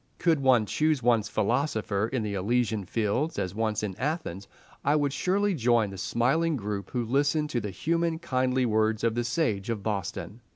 Could one choose one's philosopher in the Elysian fields, as once in Athens, I would surely join the smiling group who listened to the human, kindly words of the Sage of Boston.